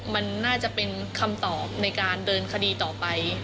มันน่าจะเป็นคำตอบในการเดินคดีต่อไป